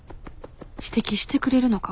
指摘してくれるのか？